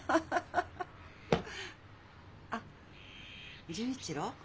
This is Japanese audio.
あっ純一郎？